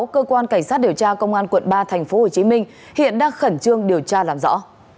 cơ quan cảnh sát điều tra công an quận ba tp hcm hiện đang khẩn trương điều tra làm rõ